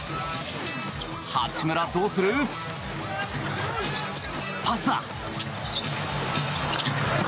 八村どうするパスだ！